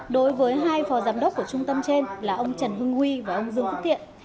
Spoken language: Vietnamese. đối với hai phò giám đốc của trung tâm trên là ông trần hưng huy và ông dương phước thiện